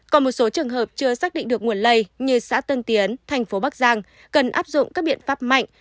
còn một số trường hợp chưa xác định được nguồn lây như xã tân tiến thành phố bắc giang cần áp dụng các biện pháp mạnh